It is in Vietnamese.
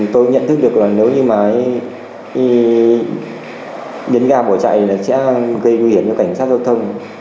tôi nhận thức được là nếu như nhấn ga bỏ chạy nó sẽ gây nguy hiểm cho cảnh sát giao thông